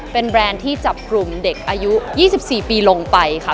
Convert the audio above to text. เป็นแบรนด์ที่จับกลุ่มเด็กอายุ๒๔ปีลงไปค่ะ